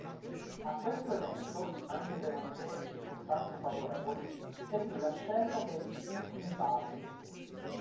A questo evento, anche per una serie di circostanze favorevoli, seguì l’ascesa degli Usimbardi.